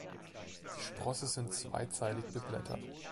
Die Sprosse sind zweizeilig beblättert.